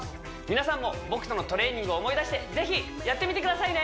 皆さんも僕とのトレーニングを思い出してぜひやってみてくださいね！